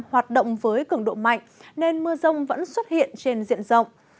hoạt động với cường độ mạnh nên mưa rông vẫn xuất hiện trên diện rộng